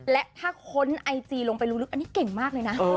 และถ้าค้นไอจีลงไปรู้ลึกอันนี้เก่งมากเลยนะ